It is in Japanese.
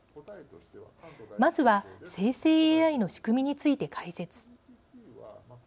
まずは生成ＡＩの仕組みについて解説。